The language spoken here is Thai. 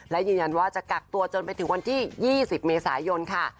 และยืนยันว่าจะกักตัวจนไปถึงวันที่๒๐เมษายนค่ะ